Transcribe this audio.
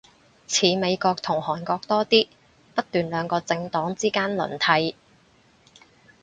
似美國同韓國多啲，不斷兩個政黨之間輪替